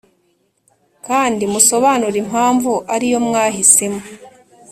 kandi musobanure impamvu ari yo mwahisemo.